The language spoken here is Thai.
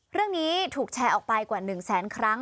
เรื่องนี้ถูกแชร์ออกไปกว่า๑แสนครั้ง